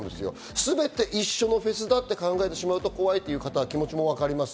全て一緒のフェスだと考えると怖いという方、気持ちも分かります。